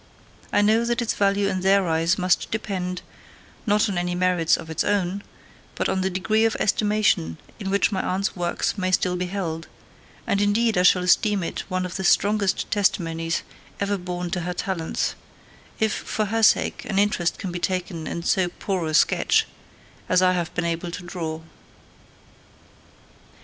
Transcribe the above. I know that its value in their eyes must depend, not on any merits of its own, but on the degree of estimation in which my aunt's works may still be held; and indeed I shall esteem it one of the strongest testimonies ever borne to her talents, if for her sake an interest can be taken in so poor a sketch as I have been able to draw.